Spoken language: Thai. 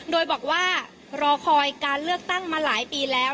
โดยบอกว่ารอคอยการเลือกตั้งมาหลายปีแล้ว